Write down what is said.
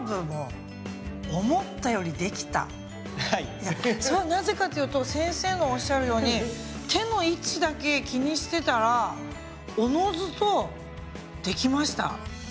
いやそれはなぜかというと先生のおっしゃるように手の位置だけ気にしてたらおのずとできました。